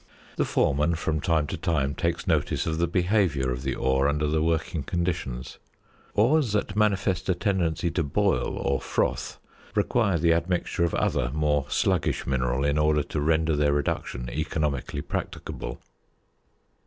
The foreman from time to time takes notice of the behaviour of the ore under the working conditions. Ores that manifest a tendency to "boil" or "froth " require the admixture of other more sluggish mineral in order to render their reduction economically practicable.